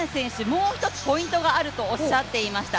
もう一つポイントがあるとおっしゃっていました。